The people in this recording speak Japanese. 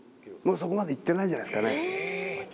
もうそこまでいってないんじゃないですかね。